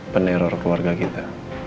peneror keluarga kita